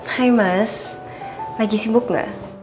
hai mas lagi sibuk gak